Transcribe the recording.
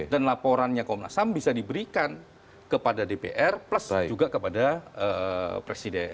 laporannya komnas ham bisa diberikan kepada dpr plus juga kepada presiden